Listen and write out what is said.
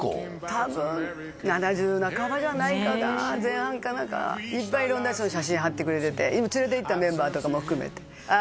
多分７０半ばじゃないかな前半かないっぱい色んな人の写真はってくれてて連れて行ったメンバーとかも含めてあ